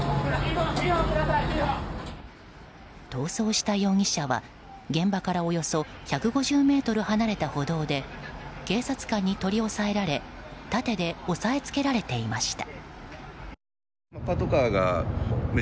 逃走した容疑者は、現場からおよそ１５０ｍ離れた歩道で警察官に取り押さえられ盾で押さえつけられていました。